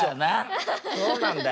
そうなんだよ。